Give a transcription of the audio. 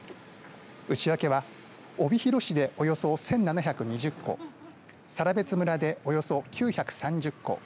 内訳は帯広市でおよそ１７２０戸更別村でおよそ９３０戸